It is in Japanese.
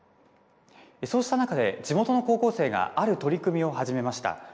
そうした中で、地元の高校生がある取り組みを始めました。